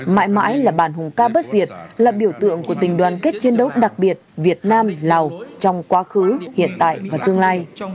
mãi mãi là bản hùng ca bất diệt là biểu tượng của tình đoàn kết chiến đấu đặc biệt việt nam lào trong quá khứ hiện tại và tương lai